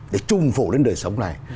để trung phổ đến đời sống này